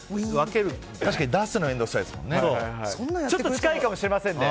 確かに出すのちょっと近いかもしれませんね。